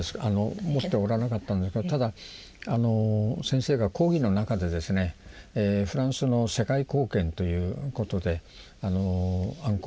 持っておらなかったんですがただ先生が講義の中でですねフランスの世界貢献ということでアンコール